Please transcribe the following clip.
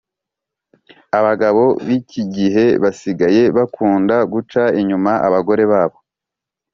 abagabo bikigihe basigaye bakunda guca inyuma abagore babo